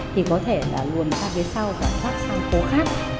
thì có thể là luồn ra phía sau và thoát sang phố khác